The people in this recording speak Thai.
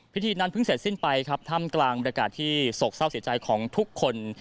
พิธีนั้นเพิ่งเสร็จสิ้นไปครับท่ามกลางบรรยากาศที่โศกเศร้าเสียใจของทุกคน